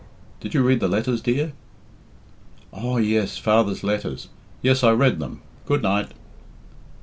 "Did you read the letters, dear?" "Oh, yes. Father's letters. Yes, I read them. Good night."